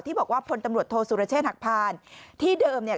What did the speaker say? บอกว่าพลตำรวจโทษสุรเชษฐหักพานที่เดิมเนี่ย